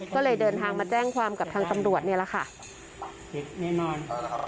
ก็เลยเดินทางมาแจ้งความกับทางตำรวจเนี่ยแหละค่ะแน่นอน